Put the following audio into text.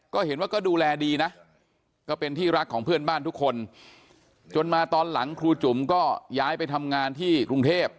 ก็เห็นว่าก็ดูแลดีนะก็เป็นที่รักของเพื่อนบ้านทุกคนจนมาตอนหลังครูจุ๋มก็ย้ายไปทำงานที่กรุงเทพ